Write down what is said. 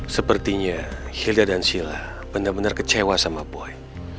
sepertinya hilda dan sila benar benar kecewa sama boy